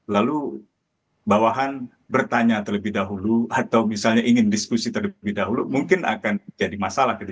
lalu bawahan bertanya terlebih dahulu atau misalnya ingin diskusi terlebih dahulu mungkin akan jadi masalah gitu